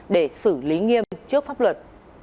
để xử lý nghiêm trước pháp luật